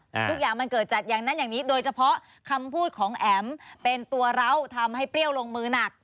ทุกอย่างมันเกิดจากอย่างนั้นอย่างนี้โดยเฉพาะคำพูดของแอ๋มเป็นตัวเราทำให้เปรี้ยวลงมือหนัก